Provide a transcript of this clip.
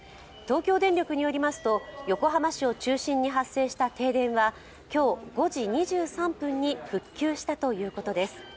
東京電力によりますと、横浜市を中心に発生した停電は今日５時２３分に復旧したということです。